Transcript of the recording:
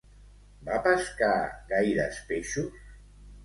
Va pescar gaires peixos?